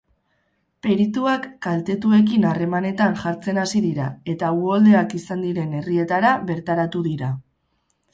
Perituak kaltetuekin harremanetan jartzen hasi dira eta uholdeak izan diren herrietara bertaratu dira.